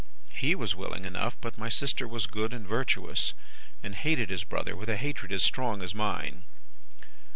He was willing enough, but my sister was good and virtuous, and hated his brother with a hatred as strong as mine.